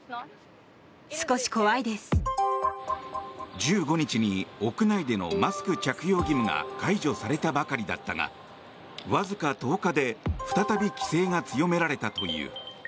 １５日に屋内でのマスク着用義務が解除されたばかりだったがわずか１０日で再び規制が強められたという。